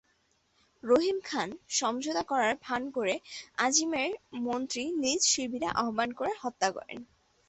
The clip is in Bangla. রহিম খান সমঝোতা করার ভান করে আজিমের মন্ত্রীকে নিজ শিবিরে আহবান করে হত্যা করেন।